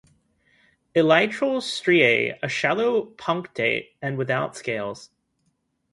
Elytral striae are shallow punctate and without scales.